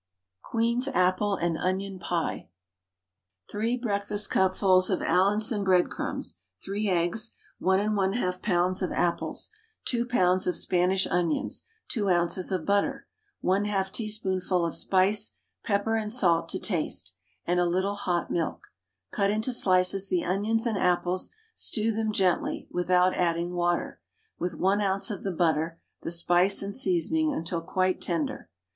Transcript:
QUEEN'S APPLE AND ONION PIE. 3 breakfastcupfuls of Allinson breadcrumbs, 3 eggs, 1 1/2 lbs. of apples, 2 lbs. of Spanish onions, 2 oz. of butter, 1/2 teaspoonful of spice, pepper and salt to taste, and a little hot milk; cut into slices the onions and apples, stew them gently (without adding water) with 1 oz. of the butter, the spice and seasoning until quite tender.